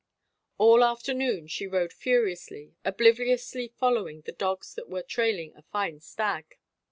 All afternoon she rode furiously, obliviously following the dogs that were trailing a fine stag.